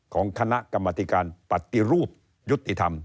ของคณะกรรมธิการปฏิรูปยุติธรรม